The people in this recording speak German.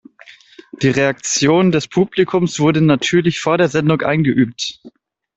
Die Reaktion des Publikums wurde natürlich vor der Sendung eingeübt.